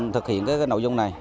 thực hiện cái nội dung này